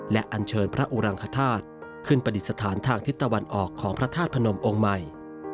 และอันเชิญพระอุรังคธาตุขึ้นประดิษฐานทางทิศตะวันออกของพระธาตุพนมองค์ใหม่